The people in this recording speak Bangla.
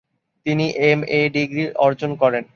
তিনি এমএ ডিগ্রি অর্জন করেন।